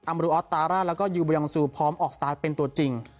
มรูออสตาร่าแล้วก็ยูบยองซูพร้อมออกสตาร์ทเป็นตัวจริง